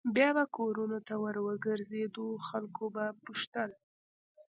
بیا به کورونو ته ور وګرځېدو خلکو به پوښتل.